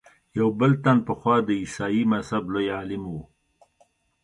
یو بل تن پخوا د عیسایي مذهب لوی عالم و.